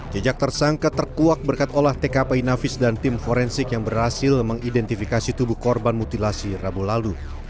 jejak tersangka terkuak berkat olah tkp inavis dan tim forensik yang berhasil mengidentifikasi tubuh korban mutilasi rabu lalu